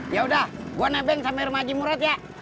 ya udah gua nebeng sampe rumah haji murad ya